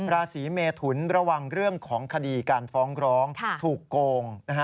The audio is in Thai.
ราศีเมทุนระวังเรื่องของคดีการฟ้องร้องถูกโกง